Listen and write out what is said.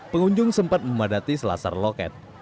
pengunjung sempat memadati selasar loket